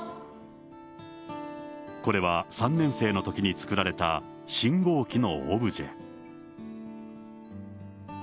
これは３年生のときに作られた信号機のオブジェ。